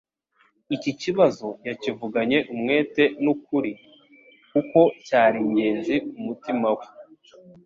Iki kibazo, yakivuganye umwete n'ukuri, kuko cyari ingenzi ku mutima we,